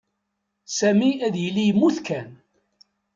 Sami ad yili yemmut kan.